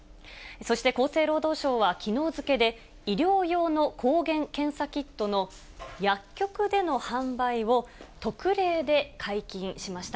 そして厚生労働省はきのう付けで、医療用の抗原検査キットの薬局での販売を特例で解禁しました。